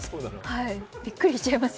びっくりしちゃいます。